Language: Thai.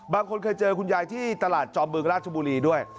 บางคนเคยเจอคุณยายที่ตลาดจอมบึงราชบุรีด้วย